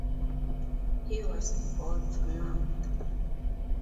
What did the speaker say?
He was God's "mouth".